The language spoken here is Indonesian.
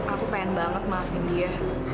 aku pengen banget maafin dia